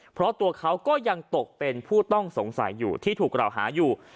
เพราะตัวเขาก็ยังตกเป็นผู้ต้องสงสัยอยู่ที่ถูกกล่าวหาอยู่